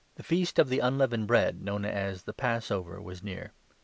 Feast of the Unleavened Bread, known as i agamat the Passover, was near.